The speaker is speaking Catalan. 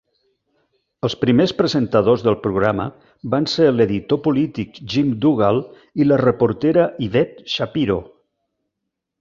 Els primers presentadors del programa van ser l'editor polític Jim Dougal i la reportera Yvette Shapiro.